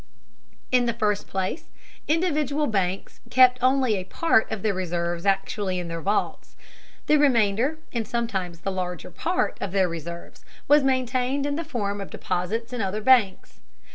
In the first place, individual banks kept only a part of their reserves actually in their vaults. The remainder, and sometimes the larger part, of their reserves was maintained in the form of deposits in other banks.